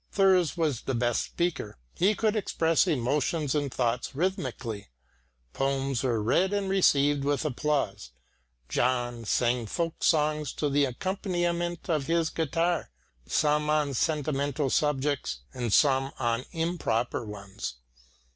Thurs was the best speaker; he could express emotions and thoughts rhythmically. Poems were read and received with applause. John sang folk songs to the accompaniment of his guitar, some on sentimental subjects, and some on improper ones.